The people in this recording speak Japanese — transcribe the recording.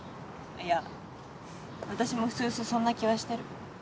いや私もうすうすそんな気はしてる。